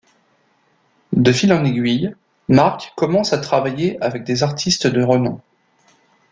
De fil en aiguille, Mark commence à travailler avec des artistes de renom.